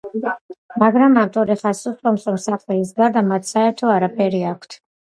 მაგრამ ავტორი ხაზს უსვამს, რომ სახელის გარდა მათ საერთო არაფერი აქვთ.